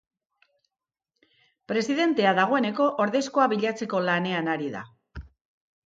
Presidentea dagoeneko ordezkoa bilatzeko lanean ari da.